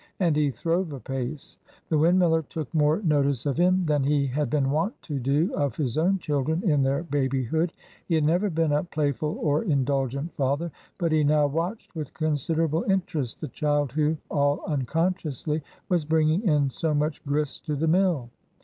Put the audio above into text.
And he throve apace. The windmiller took more notice of him than he had been wont to do of his own children in their babyhood. He had never been a playful or indulgent father, but he now watched with considerable interest the child who, all unconsciously, was bringing in so much "grist to the mill."